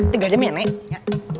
tiga jam ya nek